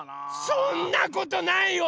そんなことないよ！